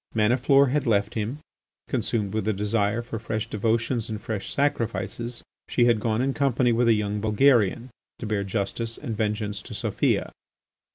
Maniflore had left him. Consumed with a desire for fresh devotions and fresh sacrifices, she had gone in company with a young Bulgarian to bear justice and vengeance to Sofia.